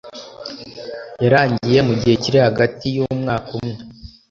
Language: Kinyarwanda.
Yarangiye mu gihe kiri hagati y umwka umwe